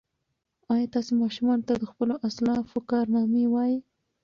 ایا تاسي ماشومانو ته د خپلو اسلافو کارنامې وایئ؟